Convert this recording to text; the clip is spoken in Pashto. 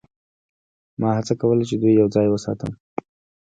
ما هڅه کوله چې دوی یوځای وساتم